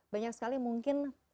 banyak sekali mungkin